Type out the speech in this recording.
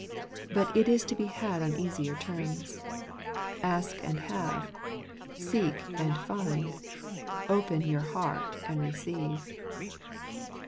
But it is to be had on easier terms :" Ask and have ; seek and find ; open your heart and receive."